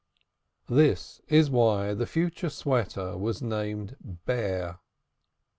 This was why the future sweater was named Bear.